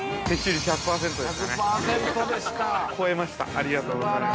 ◆ありがとうございます。